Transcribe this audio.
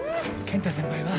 健太先輩は？